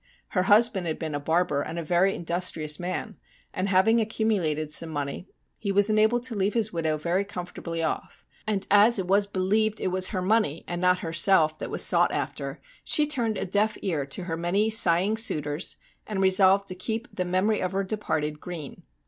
Her husband had been a barber and a very industrious man, and, having accumulated some money, he was enabled to leave his widow very comfortably off ; and as it was believed it was her money and not herself that was sought after, she turned a deaf ear to her many sighing suitors, and resolved to keep the memory of her departed green.